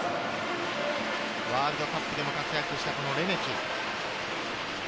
ワールドカップでも活躍したレメキ。